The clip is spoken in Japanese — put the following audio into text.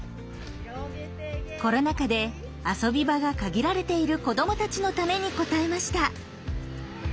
コロナ禍で遊び場が限られている子どもたちのために応えました。